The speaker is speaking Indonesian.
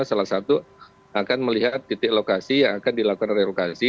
salah satu akan melihat titik lokasi yang akan dilakukan relokasi